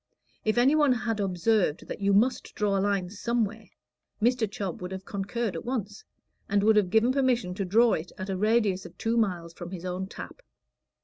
If any one had observed that you must draw a line somewhere, Mr. Chubb would have concurred at once, and would have given permission to draw it at a radius of two miles from his own tap.